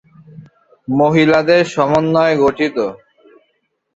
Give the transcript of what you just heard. মহিলাদের সমন্বয়ে গঠিত।